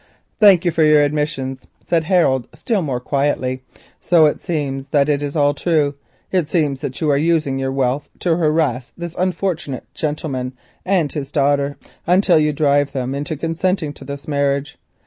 "Thank you for your admissions," said Harold, still more quietly. "So it seems that it is all true; it seems that you are using your wealth to harass this unfortunate gentleman and his daughter until you drive them into consenting to this marriage.